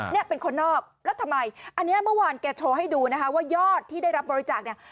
เนี่ยเป็นคนนอกแล้วทำไมอันนี้เมื่อวานแกโชว์ให้ดูนะคะว่ายอดที่ได้รับบริจาคเนี่ย